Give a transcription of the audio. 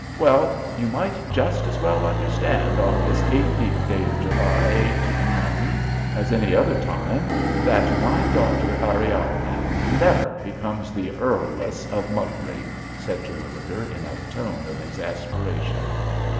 "Well, you might just as well understand on this 18th day of July, 18 , as any other time, that my daughter Ariadne never becomes the Earless of Mugley," said Terwilliger, in a tone of exasperation.